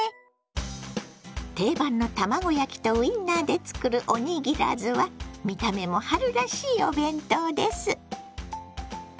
定番の卵焼きとウインナーで作るおにぎらずは見た目も春らしいお弁当です。